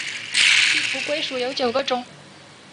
地图龟属有九个种。